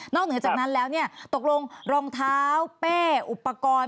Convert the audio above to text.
เหนือจากนั้นแล้วตกลงรองเท้าเป้อุปกรณ์